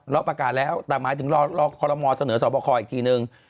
รอประกาศแล้วตามหมายถึงรอข้อละมอเสนอสอบประคออีกทีหนึ่ง